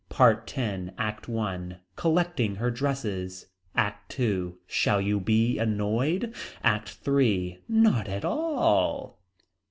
PART X. ACT I. Collecting her dresses. ACT II. Shall you be annoyed. ACT III. Not at all.